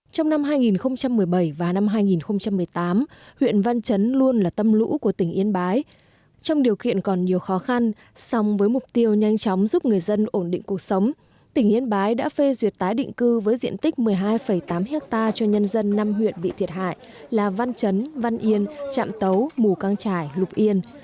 trong năm hai nghìn một mươi bảy và năm hai nghìn một mươi tám huyện văn chấn luôn là tâm lũ của tỉnh yên bái trong điều kiện còn nhiều khó khăn song với mục tiêu nhanh chóng giúp người dân ổn định cuộc sống tỉnh yên bái đã phê duyệt tái định cư với diện tích một mươi hai tám ha cho nhân dân năm huyện bị thiệt hại là văn chấn văn yên trạm tấu mù căng trải lục yên